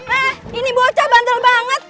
wah ini bocah bandel banget